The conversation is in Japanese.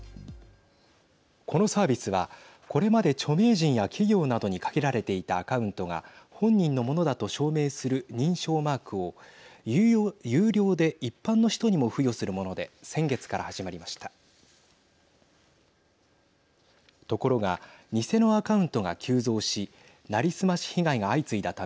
このサービスはこれまで著名人や企業などに限られていたアカウントが本人のものだと証明する認証マークを有料で一般の人にも付与するもので先月から始まりました。